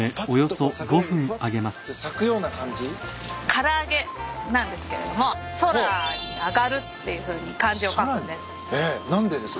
唐揚げなんですけれども「空」に「上がる」っていうふうに漢字を書くんです。